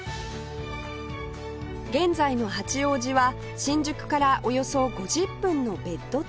現在の八王子は新宿からおよそ５０分のベッドタウン